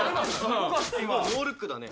「すごい！ノールックだね」